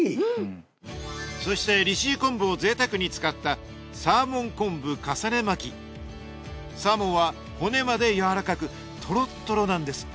そして利尻昆布をぜいたくに使ったサーモンは骨までやわらかくトロットロなんです。